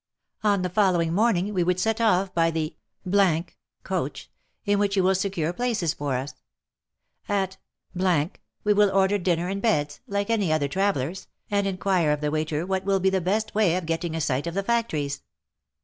On the following morning we would set off by the coach, in which you will secure places for us. At we will order dinner and beds, like any other travellers, and inquire of OF MICHAEL ARMSTRONG. 233 the waiter what will be the best way of getting a sight of the factories."